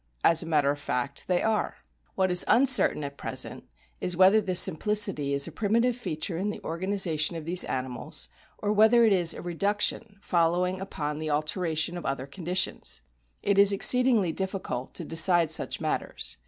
As a matter of fact they are. What is uncertain at present is whether the simplicity is a primitive feature in the organisation of these animals, or whether it is a reduction following upon the alteration of other con ditions. It is exceedingly difficult to decide such matters.